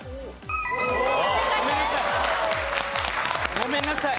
ごめんなさい。